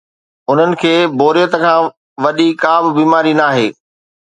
انهن ۾ بوريت کان وڏي ڪا به بيماري ناهي.